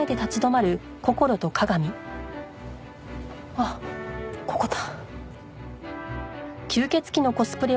あっここだ。